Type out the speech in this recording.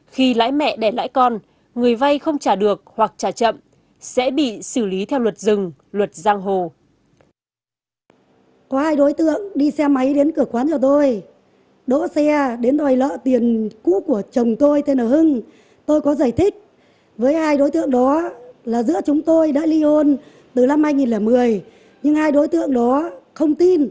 khi lãi mẹ đẻ lãi con người vai không trả được hoặc trả chậm sẽ bị xử lý theo luật rừng luật giang hồ